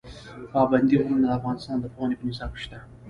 پابندي غرونه د افغانستان د پوهنې په نصاب کې شته.